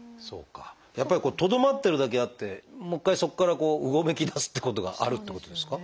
やっぱりとどまってるだけあってもう一回そこからこううごめきだすってことがあるってことですか？